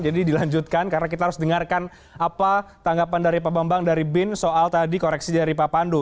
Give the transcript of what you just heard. jadi dilanjutkan karena kita harus dengarkan apa tanggapan dari pak bambang dari bin soal tadi koreksi dari pak pandu